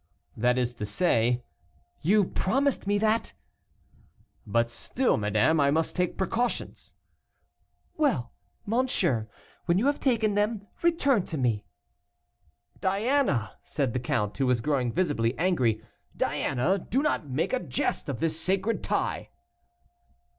"That is to say " "You promised me that." "But still, madame, I must take precautions." "Well, monsieur, when you have taken them, return to me." "Diana," said the count, who was growing visibly angry, "Diana, do not make a jest of this sacred tie."